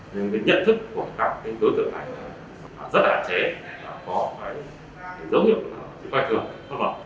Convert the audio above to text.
nhưng cái nhận thức của các đối tượng này là rất là hạn chế và có phải giấu hiệu quay thường